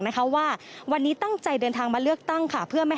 นะคะว่าวันนี้ตั้งใจเดินทางมาเลือกตั้งค่ะเพื่อไม่ให้